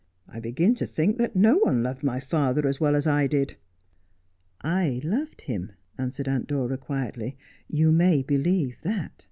I begin to think that no one loved my father as well as I did.' 1 1 loved him,' answered Aunt Dora quietly. ' You may believe that.